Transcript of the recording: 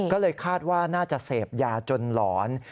ก็เลยคาดว่าน่าจะเสพยาจนหลอน